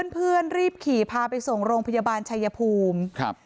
เพื่อนรีบขี่พาไปส่งโรงพยาบาลชัยภูมิครับ